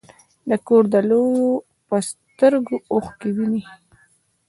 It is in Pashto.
د کور د لویو په سترګو اوښکې وینې.